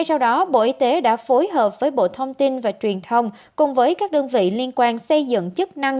sau đó bộ y tế đã phối hợp với bộ thông tin và truyền thông cùng với các đơn vị liên quan xây dựng chức năng